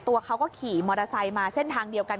ตัวเขาก็ขี่มอเตอร์ไซค์มาเส้นทางเดียวกัน